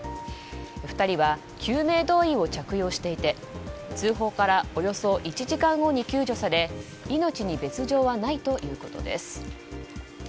２人は救命胴衣を着用していて通報からおよそ１時間後に救助され命に別条はないということです。